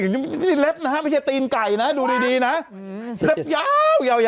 ก็ไม่ใช่เล็บนะครับไม่ใช่ตีนไก่นะ